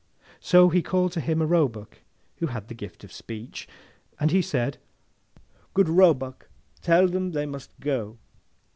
So, he called to him a Roebuck who had the gift of speech, and he said, 'Good Roebuck, tell them they must go.